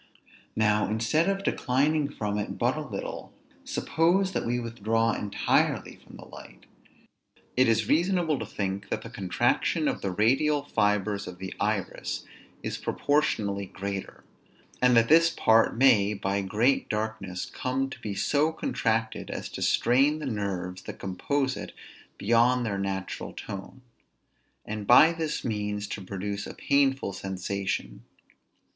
Now, instead of declining from it but a little, suppose that we withdraw entirely from the light; it is reasonable to think that the contraction of the radial fibres of the iris is proportionally greater; and that this part may by great darkness come to be so contracted, as to strain the nerves that compose it beyond their natural tone; and by this means to produce a painful sensation.